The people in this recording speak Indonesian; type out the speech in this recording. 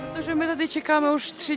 karena kami sudah tiga hari menunggu mereka